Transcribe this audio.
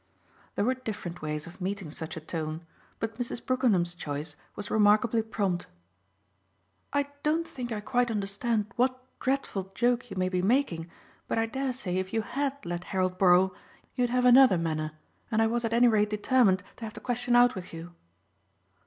There were different ways of meeting such a tone, but Mrs. Brookenham's choice was remarkably prompt. "I don't think I quite understand what dreadful joke you may be making, but I dare say if you HAD let Harold borrow you'd have another manner, and I was at any rate determined to have the question out with you."